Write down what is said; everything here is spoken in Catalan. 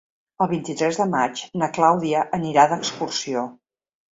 El vint-i-tres de maig na Clàudia anirà d'excursió.